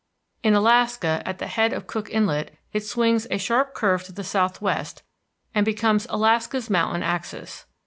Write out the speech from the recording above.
In Alaska, at the head of Cook Inlet, it swings a sharp curve to the southwest and becomes Alaska's mountain axis.